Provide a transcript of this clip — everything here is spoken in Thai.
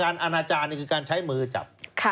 อาณาจารย์นี่คือการใช้มือจับ